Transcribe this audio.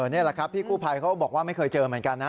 นี่แหละครับพี่กู้ภัยเขาบอกว่าไม่เคยเจอเหมือนกันนะ